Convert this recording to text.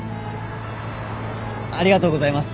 ありがとうございます。